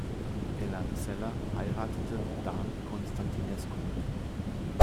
Ella Zeller heiratete Dan Constantinescu.